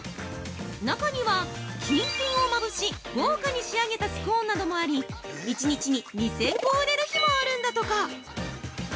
中には、金粉をまぶし豪華に仕上げたスコーンなどもあり１日に２０００個売れる日もあるんだとか！